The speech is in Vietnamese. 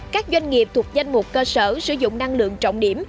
các doanh nghiệp thuộc danh mục cơ sở sử dụng năng lượng trọng điểm